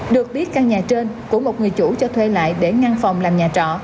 được biết căn nhà trên của một người chủ cho thuê lại để ngăn phòng làm nhà trọ